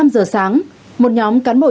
từ năm giờ sáng một nhóm cán bộ